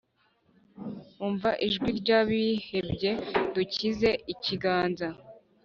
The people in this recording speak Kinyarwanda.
umva ijwi ry’abihebye; dukize ikiganza